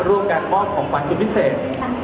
ร่วมการปลอดภัยสุดพิเศษ